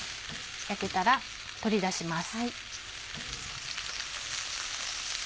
焼けたら取り出します。